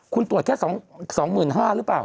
คุณตรวจแค่๒๕๐๐หรือเปล่า